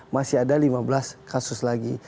masih ada lima belas kasus lagi